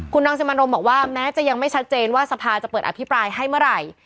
คุณรังสิมันโรมบอกว่าแม้จะยังไม่ชัดเจนว่าสภาจะเปิดอภิปรายให้เมื่อไหร่